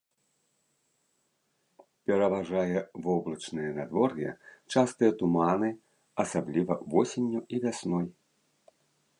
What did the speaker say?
Пераважае воблачнае надвор'е, частыя туманы, асабліва восенню і вясной.